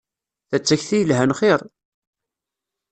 Ta d takti yelhan xir!